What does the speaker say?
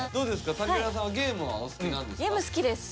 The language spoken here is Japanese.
武田さんはゲームはお好きなんですか？